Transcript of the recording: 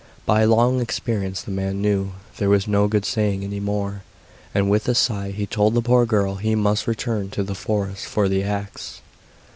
By long experience the man knew there was no good saying any more, and with a sigh he told the poor girl she must return to the forest for the axe.